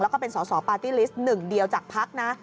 แล้วก็เป็นสอสอปาร์ตี้ลิสต์หนึ่งเดียวจากพักนะ